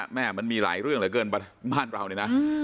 มันมีหลายเรื่องเหลือเกินบ้านเราเนี่ยนะ